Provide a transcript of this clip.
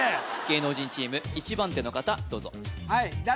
芸能人チーム１番手の方どうぞはい誰？